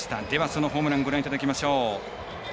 そのホームランご覧いただきましょう。